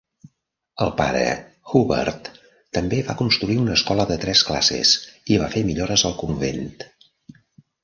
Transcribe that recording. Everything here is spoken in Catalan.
El pare Hubert també va construir una escola de tres classes i va fer millores al convent.